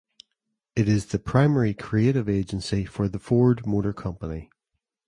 It is the primary creative agency for the Ford Motor Company.